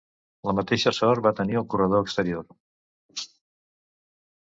La mateixa sort va tenir el corredor exterior.